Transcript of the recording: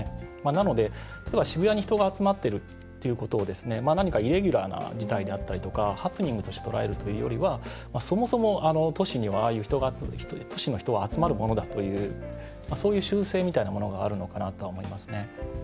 なので、例えば、渋谷に人が集まっているっていうことを何かイレギュラーな事態であったりとかハプニングとして捉えるというよりは、そもそも都市の人は集まるものだというそういう習性みたいなものがあるのかなとは思いますね。